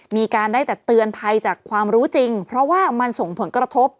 มีการได้แต่เตือนภัยจากความรู้จริงเพราะว่ามันส่งผลกระทบ